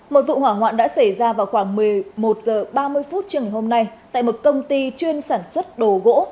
một vụ hỏa hoạn đã xảy ra vào khoảng một mươi một h ba mươi phút trường ngày hôm nay tại một công ty chuyên sản xuất đồ gỗ